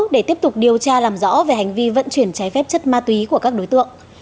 để tiếp tục điều tra làm rõ về hành vi vận chuyển trái phép chất ma túy của các đối tượng